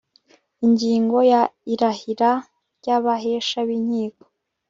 ingingo ya irahira ry abahesha b inkiko